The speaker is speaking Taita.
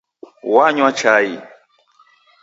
Wanywa chai.